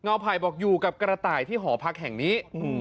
ไผ่บอกอยู่กับกระต่ายที่หอพักแห่งนี้